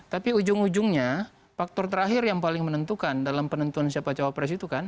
tapi ujung ujungnya faktor terakhir yang paling menentukan dalam penentuan siapa cawapres itu kan